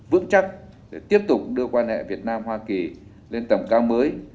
vững chắc để tiếp tục đưa quan hệ việt nam hoa kỳ lên tầm cao mới